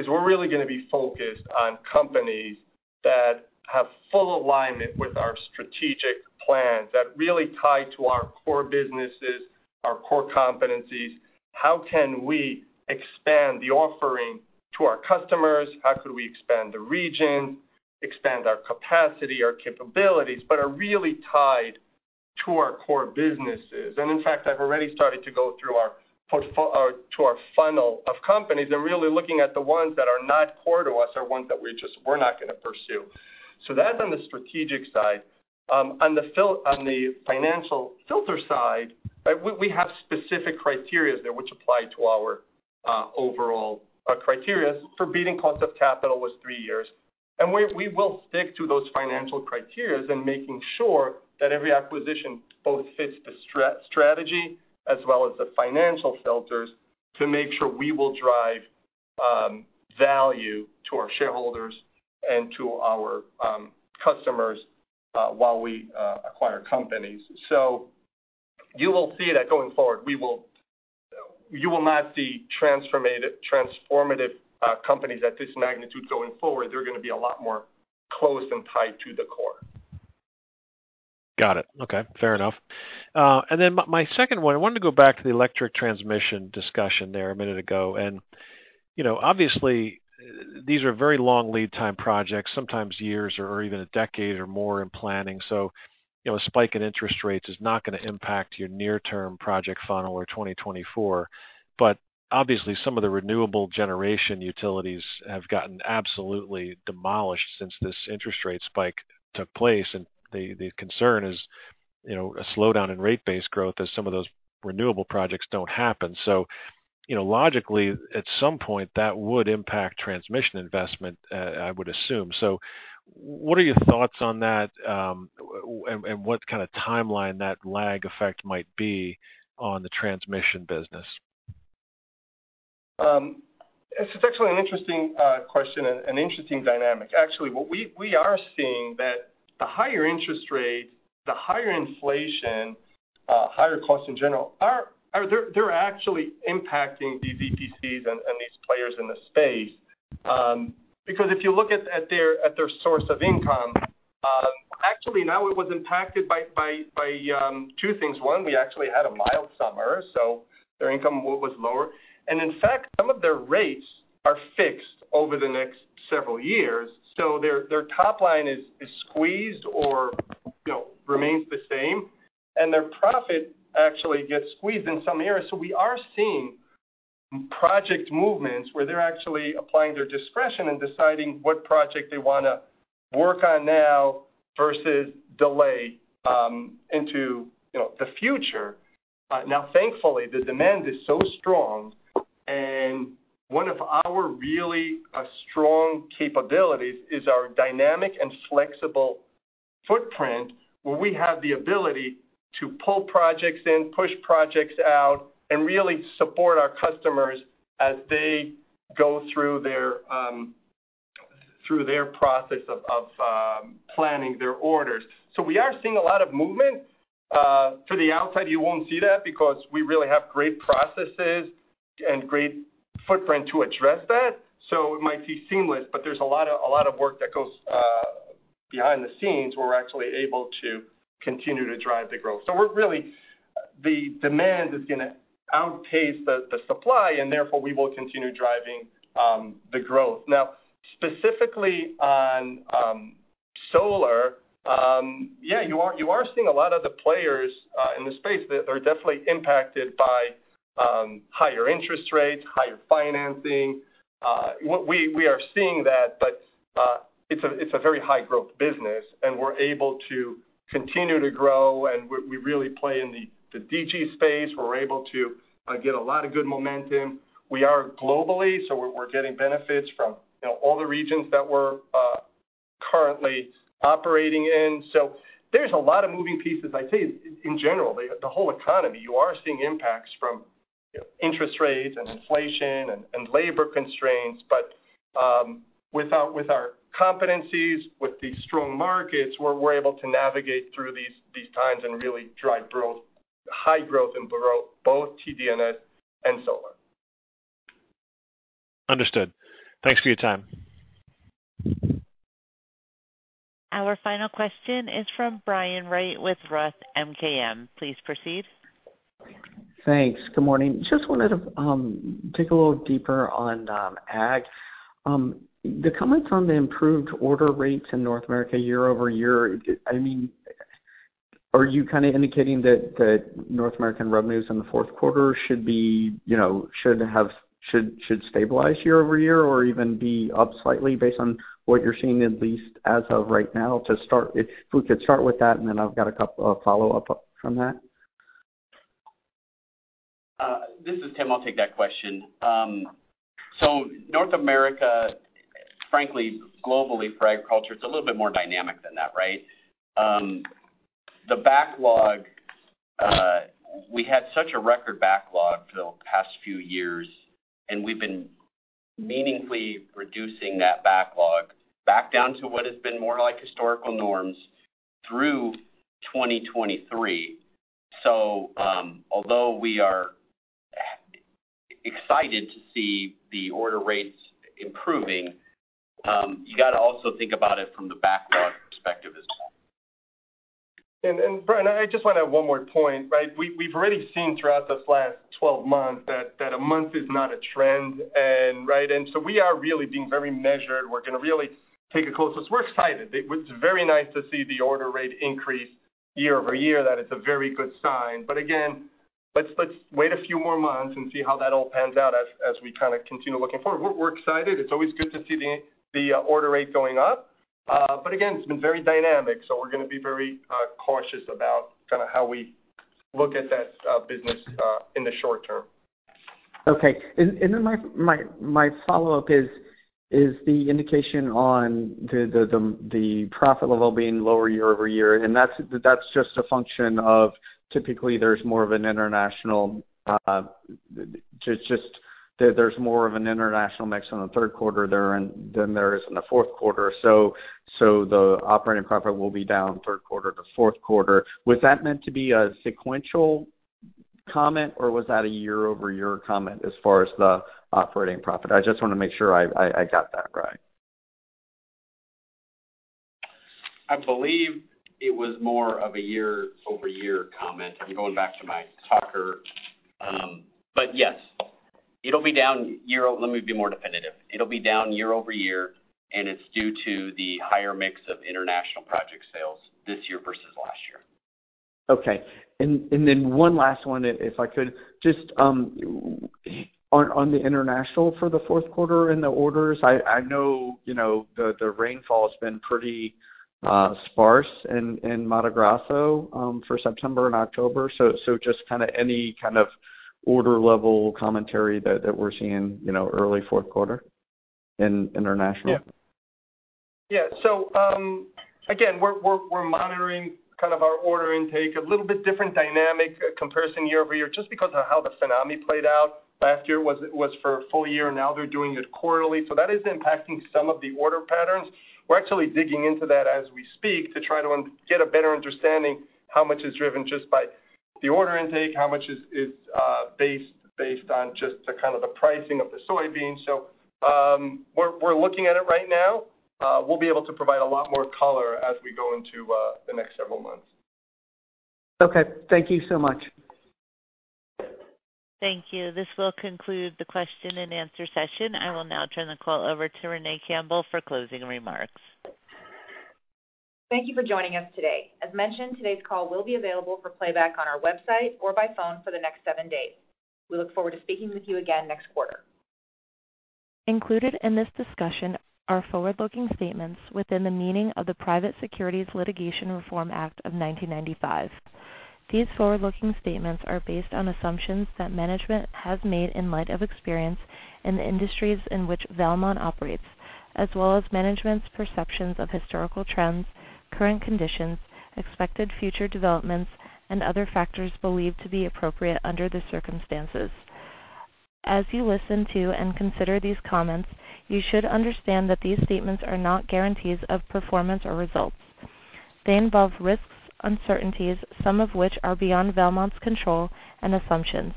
we're really gonna be focused on companies that have full alignment with our strategic plans, that really tie to our core businesses, our core competencies. How can we expand the offering to our customers? How could we expand the region, expand our capacity, our capabilities, but are really tied to our core businesses? And in fact, I've already started to go through, to our funnel of companies and really looking at the ones that are not core to us, are ones that we just we're not gonna pursue. So that's on the strategic side. On the financial filter side, we have specific criteria there, which apply to our overall criteria for beating cost of capital was three years. We will stick to those financial criteria and making sure that every acquisition both fits the strategy as well as the financial filters, to make sure we will drive value to our shareholders and ,to our customers while we acquire companies. So you will see that going forward, we will. You will not see transformative companies at this magnitude going forward. They're gonna be a lot more close and tied to the core. Got it. Okay, fair enough. And then my second one, I wanted to go back to the electric transmission discussion there a minute ago. And, you know, obviously, these are very long lead time projects, sometimes years or even a decade or more in planning. So, you know, a spike in interest rates is not gonna impact your near-term project funnel or 2024. But obviously, some of the renewable generation utilities have gotten absolutely demolished since this interest rate spike took place. And the concern is, you know, a slowdown in rate base growth as some of those renewable projects don't happen. So, you know, logically, at some point, that would impact transmission investment, I would assume. So what are your thoughts on that, and what kind of timeline that lag effect might be on the transmission business? It's actually an interesting question and an interesting dynamic. Actually, what we are seeing that the higher interest rates, the higher inflation, higher costs in general, are—they're actually impacting these EPCs and these players in the space. Because if you look at their source of income, actually now it was impacted by two things. One, we actually had a mild summer, so their income was lower, and in fact, some of their rates are fixed over the next several years. So their top line is squeezed or, you know, remains the same, and their profit actually gets squeezed in some areas. So we are seeing project movements where they're actually applying their discretion and deciding what project they wanna work on now versus delay into, you know, the future. Now, thankfully, the demand is so strong. One of our really strong capabilities is our dynamic and flexible footprint, where we have the ability to pull projects in, push projects out, and really support our customers as they go through their process of planning their orders. So we are seeing a lot of movement. To the outside, you won't see that because we really have great processes and great footprint to address that. So it might be seamless, but there's a lot of, a lot of work that goes behind the scenes, where we're actually able to continue to drive the growth. So we're really the demand is gonna outpace the supply, and therefore, we will continue driving the growth. Now, specifically on solar, yeah, you are seeing a lot of the players in the space that are definitely impacted by higher interest rates, higher financing. We are seeing that, but it's a very high-growth business, and we're able to continue to grow, and we really play in the DG space. We're able to get a lot of good momentum. We are globally, so we're getting benefits from, you know, all the regions that we're currently operating in. So there's a lot of moving pieces. I'd say, in general, the whole economy, you are seeing impacts from interest rates and inflation and labor constraints. But with our competencies, with the strong markets, we're able to navigate through these times and really drive growth, high growth in both TDS and solar. Understood. Thanks for your time. Our final question is from Brian Wright with Roth MKM. Please proceed. Thanks. Good morning. Just wanted to dig a little deeper on ag. The comments on the improved order rates in North America year-over-year, I mean, are you kind of indicating that, that North American revenues in the fourth quarter should be, you know, should have-- should, should stabilize year-over-year or even be up slightly based on what you're seeing, at least as of right now? To start, if we could start with that, and then I've got a couple of follow-up from that. This is Tim. I'll take that question. So North America, frankly, globally, for agriculture, it's a little bit more dynamic than that, right? The backlog, we had such a record backlog for the past few years, and we've been meaningfully reducing that backlog back down to what has been more like historical norms through 2023. So, although we are excited to see the order rates improving, you got to also think about it from the backlog perspective as well. Brian, I just want to add one more point, right? We've already seen throughout this last 12 months that a month is not a trend and, right? So we are really being very measured. We're gonna really take a close look. We're excited. It's very nice to see the order rate increase year-over-year, that it's a very good sign. But again, let's wait a few more months and see how that all pans out as we kind of continue looking forward. We're excited. It's always good to see the order rate going up. But again, it's been very dynamic, so we're gonna be very cautious about kind of how we look at that business in the short term. Okay. And then my follow-up is the indication on the profit level being lower year-over-year, and that's just a function of typically there's more of an international mix in the third quarter there, and than there is in the fourth quarter. So the operating profit will be down third quarter to fourth quarter. Was that meant to be a sequential comment, or was that a year-over-year comment as far as the operating profit? I just want to make sure I got that right. I believe it was more of a year-over-year comment. I'm going back to my talker. But yes, it'll be down year-over-year. Let me be more definitive. It'll be down year-over-year, and it's due to the higher mix of international project sales this year versus last year. Okay. And then one last one, if I could. Just on the international for the fourth quarter in the orders, I know, you know, the rainfall has been pretty sparse in Mato Grosso for September and October. So just kind of any kind of order level commentary that we're seeing, you know, early fourth quarter in international? Yeah. Yeah. So, again, we're monitoring kind of our order intake. A little bit different dynamic comparison year-over-year, just because of how the FINAME played out last year was for a full year. Now they're doing it quarterly. So that is impacting some of the order patterns. We're actually digging into that as we speak to try to get a better understanding how much is driven just by the order intake, how much is based on just the kind of the pricing of the soybeans. So, we're looking at it right now. We'll be able to provide a lot more color as we go into the next several months. Okay. Thank you so much. Thank you. This will conclude the question and answer session. I will now turn the call over to Renee Campbell for closing remarks. Thank you for joining us today. As mentioned, today's call will be available for playback on our website or by phone for the next seven days. We look forward to speaking with you again next quarter. Included in this discussion are forward-looking statements within the meaning of the Private Securities Litigation Reform Act of 1995. These forward-looking statements are based on assumptions that management has made in light of experience in the industries in which Valmont operates, as well as management's perceptions of historical trends, current conditions, expected future developments, and other factors believed to be appropriate under the circumstances. As you listen to and consider these comments, you should understand that these statements are not guarantees of performance or results. They involve risks, uncertainties, some of which are beyond Valmont's control and assumptions.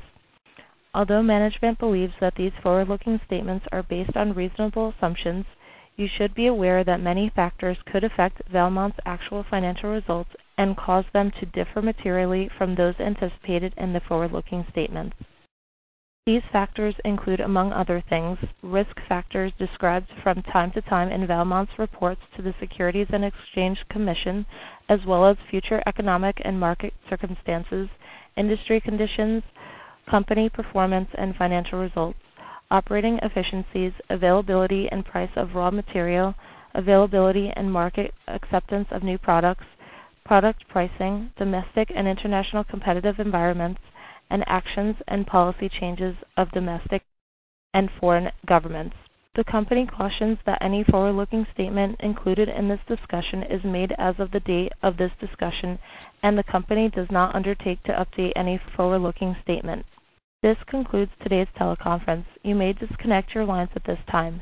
Although management believes that these forward-looking statements are based on reasonable assumptions, you should be aware that many factors could affect Valmont's actual financial results and cause them to differ materially from those anticipated in the forward-looking statements. These factors include, among other things, risk factors described from time to time in Valmont's reports to the Securities and Exchange Commission, as well as future economic and market circumstances, industry conditions, company performance and financial results, operating efficiencies, availability and price of raw material, availability and market acceptance of new products, product pricing, domestic and international competitive environments, and actions and policy changes of domestic and foreign governments. The company cautions that any forward-looking statement included in this discussion is made as of the date of this discussion, and the company does not undertake to update any forward-looking statement. This concludes today's teleconference. You may disconnect your lines at this time.